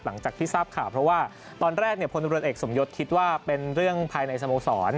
หลังจากที่ทราบค่ะเพราะว่าตอนแรกเนี่ยผลรวจเอกสมยดภุมภัณฑ์คิดว่าเป็นเรื่องภายในสโมงศร